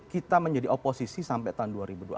kita menjadi oposisi sampai tahun dua ribu dua puluh